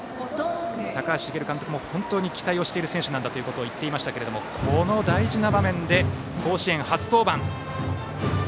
高橋滋監督も期待をしている選手なんだと言っていましたけれどもこの大事な場面で甲子園初登板。